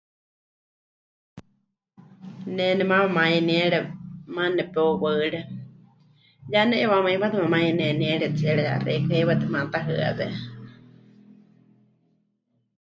Ne nemaama mayeniere maana nepeuwaɨre ya ne'iwaáma hipátɨ memayeneniere tsiere yaxeikɨ́a heiwa tematahɨawé.